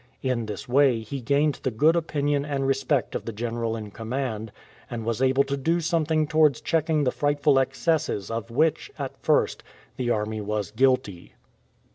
In this way he gained the good opinion and respect of the general in command, and was able to do something towards check ing the frightful excesses of which, at first, the army was guilty.